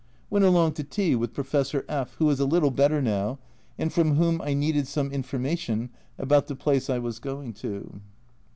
Went along to tea with Professor F , who is a little better now, and from whom I needed some information about the place I was going to.